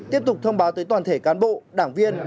tiếp tục thông báo tới toàn thể cán bộ đảng viên